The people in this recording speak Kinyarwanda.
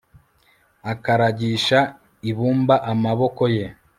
akaragisha ibumba amaboko ye